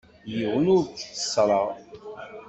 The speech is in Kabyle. Yiwen ur t-tteṣṣreɣ.